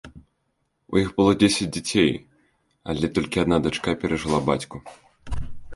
У іх было дзесяць дзяцей, але толькі адна дачка перажыла бацьку.